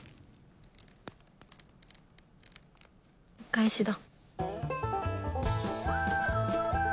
お返しだ。